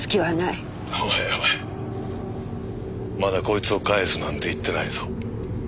おいおいまだこいつを返すなんて言ってないぞ。